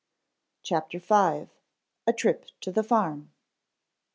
CHAPTER V. _A Trip to the Farm.